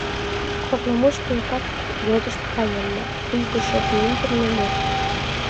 Корно мучко эртак йодышт каенна: «Куйбышев мӱндырнӧ мо.